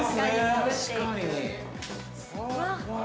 ◆確かに。